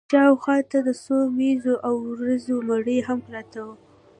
شا و خوا ته د څو مېږو او وزو مړي هم پراته وو.